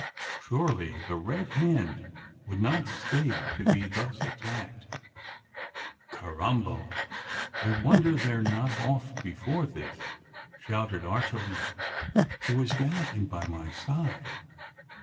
Surely the Red Hand would not stay to be thus attacked. "Carrambo! I wonder they are not off before this!" shouted Archilete, who was galloping by my side.